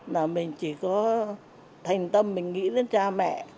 là mình chỉ có thành tâm mình nghĩ đến cha mẹ